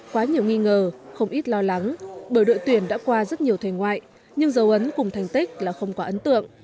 quá nhiều nghi ngờ không ít lo lắng bởi đội tuyển đã qua rất nhiều thầy ngoại nhưng dấu ấn cùng thành tích là không quá ấn tượng